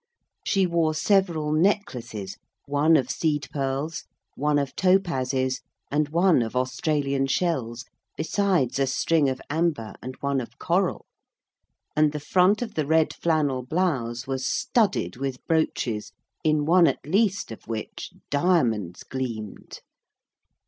She wore several necklaces, one of seed pearls, one of topazes, and one of Australian shells, besides a string of amber and one of coral. And the front of the red flannel blouse was studded with brooches, in one at least of which diamonds gleamed.